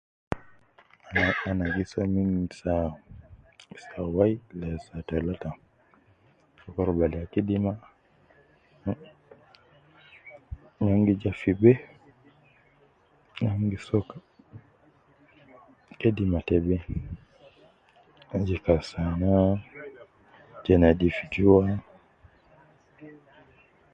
Ana gi soo min saa, saa wai ladi saa talata dukur bada kidima ,ah ,an gi ja fi be ,an gi soo ka, kidima te be je kas sana ,je nedif jua